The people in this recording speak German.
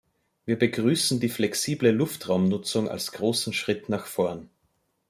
Wir begrüßen die Flexible Luftraumnutzung als großen Schritt nach vorn.